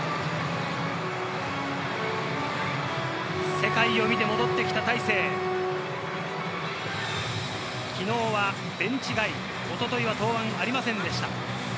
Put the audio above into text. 世界を見て戻ってきた大勢、昨日はベンチ外、おとといは登板がありませんでした。